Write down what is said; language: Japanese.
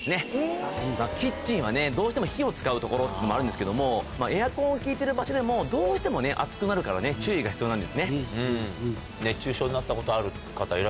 キッチンはどうしても火を使う所っていうのもあるんですけどもエアコンが効いてる場所でもどうしても。が必要なんですね。